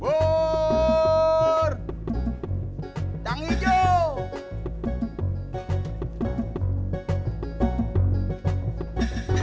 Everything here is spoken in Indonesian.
buur tang hijau